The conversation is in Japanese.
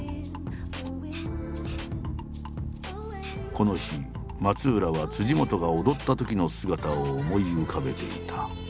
この日松浦は本が踊ったときの姿を思い浮かべていた。